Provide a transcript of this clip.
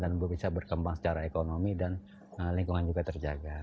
dan bisa berkembang secara ekonomi dan lingkungan juga terjaga